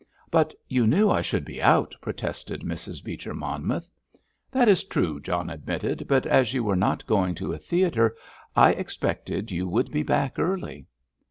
"But you knew I should be out," protested Mrs. Beecher Monmouth. "That is true," John admitted; "but as you were not going to a theatre I expected you would be back early."